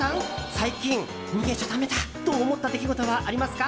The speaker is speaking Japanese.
最近、逃げちゃだめだと思った出来事はありますか？